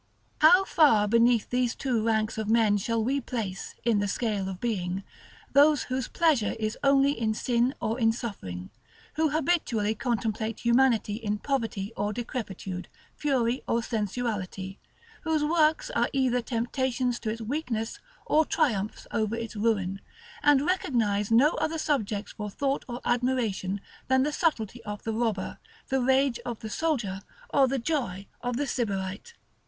§ LIX. How far beneath these two ranks of men shall we place, in the scale of being, those whose pleasure is only in sin or in suffering; who habitually contemplate humanity in poverty or decrepitude, fury or sensuality; whose works are either temptations to its weakness, or triumphs over its ruin, and recognize no other subjects for thought or admiration than the subtlety of the robber, the rage of the soldier, or the joy of the Sybarite.